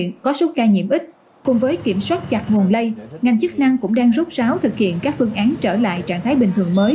ngành chức năng cũng đang rút ráo thực hiện các phương án trở lại trạng thái bình thường mới